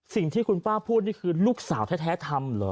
สิ่งที่คุณป้าพูดนี่คือลูกสาวแท้ทำเหรอ